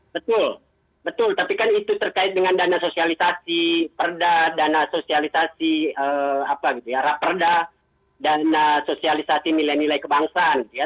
betul betul tapi kan itu terkait dengan dana sosialisasi perda dana sosialisasi apa gitu ya rap perda dana sosialisasi nilai nilai kebangsaan gitu ya